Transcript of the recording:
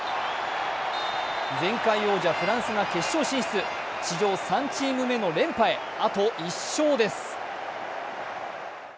前回王者フランスが決勝進出史上３チーム目の連覇へあと１勝です。